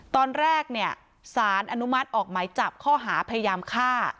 ตอนแรกเนี่ยสารอนุมัติออกหมายจับข้อหาพยายามฆ่า